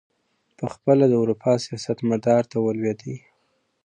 پخپله د اروپا سیاست مدار ته ولوېدی.